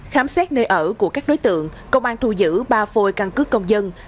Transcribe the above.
khám xét nơi ở của các đối tượng công an thu giữ ba phôi căn cứ công dân